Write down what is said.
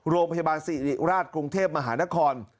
โรงพยาบาลสิริราชกรุงเทพมหานคร